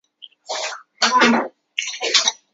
重复的伤害彼此